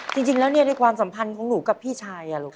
จริงแล้วเนี่ยในความสัมพันธ์ของหนูกับพี่ชายลูก